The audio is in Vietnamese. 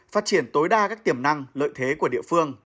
phát triển tối đa các tiềm năng lợi thế của địa phương